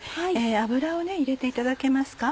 油を入れていただけますか。